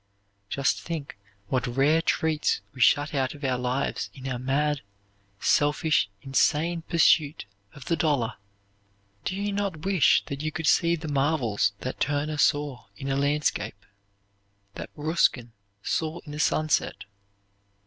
Just think what rare treats we shut out of our lives in our mad, selfish, insane pursuit of the dollar! Do you not wish that you could see the marvels that Turner saw in a landscape, that Ruskin saw in a sunset?